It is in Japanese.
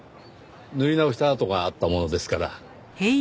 塗り直した跡があったものですから。